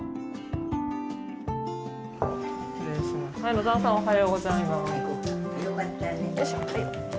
野澤さんおはようございます。